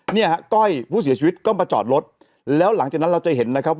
เนี่ยฮะก้อยผู้เสียชีวิตก็มาจอดรถแล้วหลังจากนั้นเราจะเห็นนะครับ